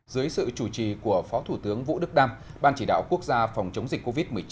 dưới sự chủ trì của phó thủ tướng vũ đức đam ban chỉ đạo quốc gia phòng chống dịch covid một mươi chín